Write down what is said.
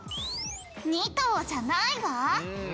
「二頭じゃないわ！」